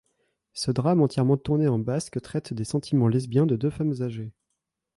Ce drame entièrement tourné en basque traite des sentiments lesbiens de deux femmes âgées.